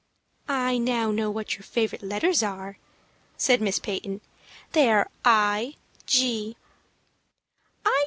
"I know now what your favorite letters are," said Miss Peyton. "They are I. G." "I.